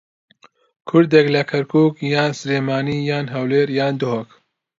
کوردێک لە کەرکووک یان سلێمانی یان هەولێر یان دهۆک